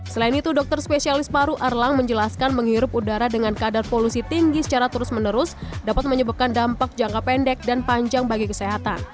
selain itu dokter spesialis paru erlang menjelaskan menghirup udara dengan kadar polusi tinggi secara terus menerus dapat menyebabkan dampak jangka pendek dan panjang bagi kesehatan